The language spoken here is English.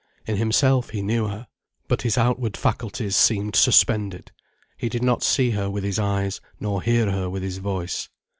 In himself, he knew her. But his outward faculties seemed suspended. He did not see her with his eyes, nor hear her with his voice.